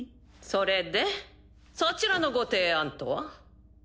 それでそちらのご提案とは？